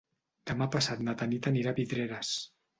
Demà passat na Tanit anirà a Vidreres.